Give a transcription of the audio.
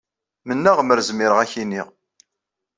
Mennaɣ mer zmireɣ ad ak-iniɣ.